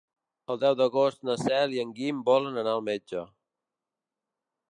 El deu d'agost na Cel i en Guim volen anar al metge.